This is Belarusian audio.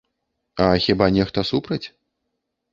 А хіба нехта супраць?